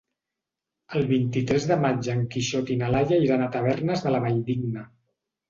El vint-i-tres de maig en Quixot i na Laia iran a Tavernes de la Valldigna.